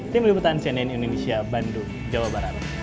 tim liputan cnn indonesia bandung jawa barat